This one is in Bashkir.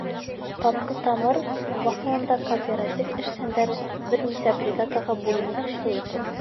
«Татлы тамыр» баҫыуында кооператив эшсәндәре бер нисә бригадаға бүленеп эшләй икән.